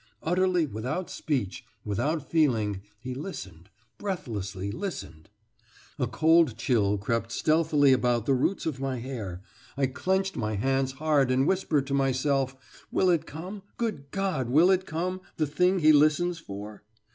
Utterly without speech, without feeling, he listened breathlessly listened! A cold chill crept stealthily about the roots of my hair, I clenched my hands hard and whispered to myself: 'Will it come, good God, will it come, the thing he listens for?'